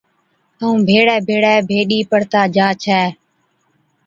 ائُون ڀيڙي ڀيڙي ڀيڏِي پڙھتا جا ڇَي